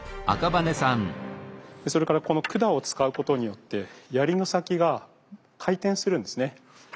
それからこの管を使うことによって槍の先が回転するんですね。